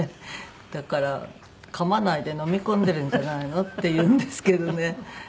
だから「かまないで飲み込んでるんじゃないの？」って言うんですけどね。